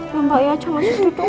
ya mbak ya jangan sedih dong mbak